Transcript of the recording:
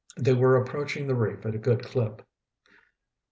They were approaching the reef at a good clip.